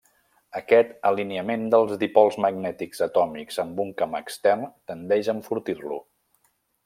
Aquest alineament dels dipols magnètics atòmics amb un camp extern tendeix a enfortir-lo.